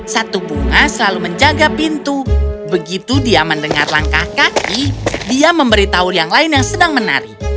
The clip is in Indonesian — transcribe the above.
satu bunga selalu menjaga pintu begitu dia mendengar langkah kaki dia memberi taur yang lain yang sedang menari